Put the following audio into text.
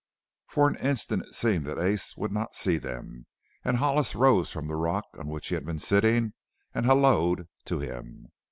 For an instant it seemed that Ace would not see them, and Hollis rose from the rock on which he had been sitting and halloed to him.